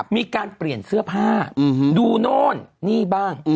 มีการเปลี่ยนเสื้อผ้าดูโน่นนี่บ้าง